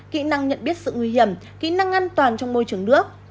kỹ năng nhận biết sự nguy hiểm kỹ năng an toàn trong môi trường nước